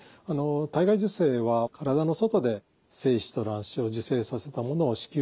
体外受精は体の外で精子と卵子を受精させたものを子宮に戻すと。